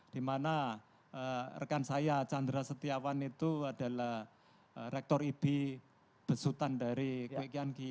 dimana rekan saya chandra setiawan itu adalah rektor ib besutan dari kuy kian kyi